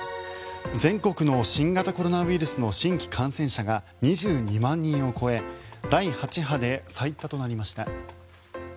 全国の新型コロナウイルスの新規感染者が２２万人を超え第８波で最多となりました。